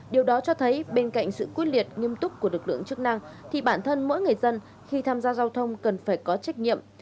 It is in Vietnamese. điều đó cho thấy bên cạnh sự quyết liệt nghiêm túc của lực lượng chức năng thì bản thân mỗi người dân khi tham gia giao thông cần phải có trách nhiệm